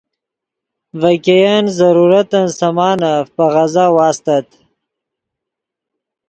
ڤے ګئین ضرورتن سامانف پے غزا واستت